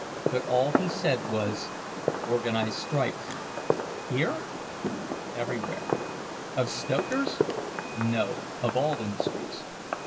But all he said was, "Organize strikes." "Here?" "Everywhere." "Of stokers?" "No, of all industries."